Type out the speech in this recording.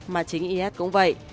mà chính is cũng vậy